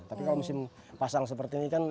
tapi kalau musim pasang seperti ini kan